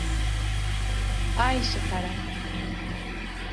Ái che karai